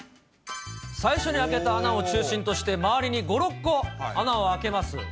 最初に開けた穴を中心として、周りに５、６個穴を開けます。